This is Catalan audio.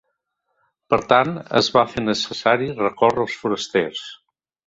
Per tant, es va fer necessari recórrer als forasters.